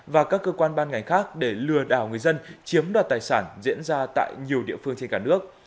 và các cơ quan ban ngành khác để lừa đảo người dân chiếm đoạt tài sản diễn ra tại nhiều địa phương trên cả nước